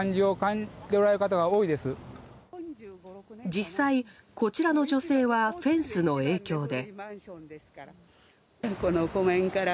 実際、こちらの女性はフェンスの影響で。